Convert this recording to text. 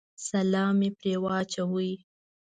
سلام مې پرې واچاوه.